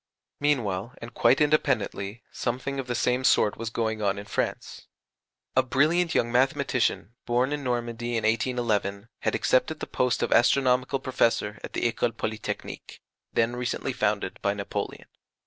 Meanwhile, and quite independently, something of the same sort was going on in France. A brilliant young mathematician, born in Normandy in 1811, had accepted the post of Astronomical Professor at the École Polytechnique, then recently founded by Napoleon.